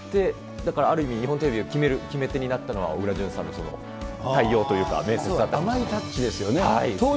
だからある意味、日本テレビを決める決め手になったのは、小倉淳さんの対応という甘いタッチですよね。